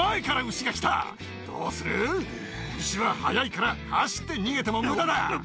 牛は速いから走って逃げても無駄だ。